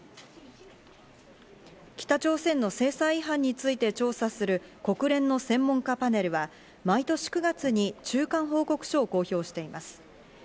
北朝鮮の制裁違反について調査する国連の専門家パネルは、毎年９月に中間報告書を公表しています。